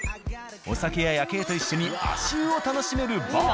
お酒や夜景と一緒に足湯を楽しめるバー。